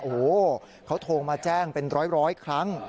โอ้โหเขาโทรมาแจ้งเป็นร้อยครั้ง